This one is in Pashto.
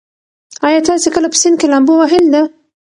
ایا تاسي کله په سیند کې لامبو وهلې ده؟